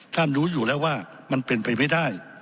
รู้อยู่แล้วว่ามันเป็นไปไม่ได้